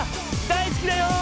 大好きだよ！